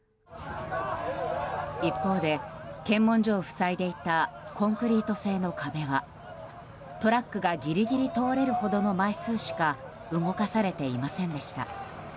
一方で検問所を塞いでいたコンクリート製の壁はトラックがギリギリ通れるほどの枚数しか動かされていませんでした。